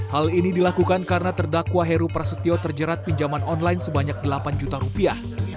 hal ini dilakukan karena terdakwa heru prasetyo terjerat pinjaman online sebanyak delapan juta rupiah